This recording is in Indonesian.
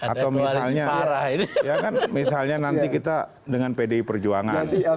atau misalnya nanti kita dengan pdi perjuangan